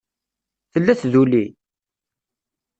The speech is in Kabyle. Tella tduli?